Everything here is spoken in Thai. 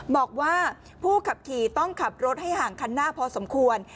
บอกว่าผู้ขับขี่ต้องขับรถให้ห่างคันหน้าพอสมควร